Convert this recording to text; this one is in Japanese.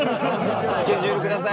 スケジュール下さい。